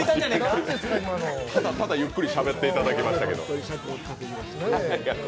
ただゆっくりしゃべっていただきましたけど。